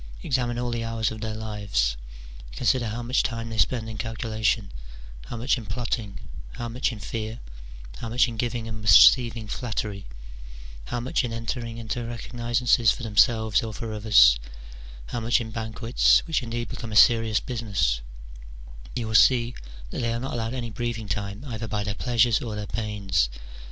Examine all the hours of their lives : consider how much time they spend in calculation, how much in plotting, how much in fear, how much in giving and receiving flattery, how much in entering into recognizances for themselves or for others, how much in banquets, which indeed become a serious business, you will see that they are not allowed any breathing time either by their pleasures or their pains.